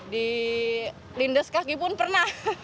dilindas kaki pun pernah